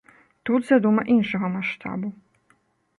Тут задума іншага маштабу.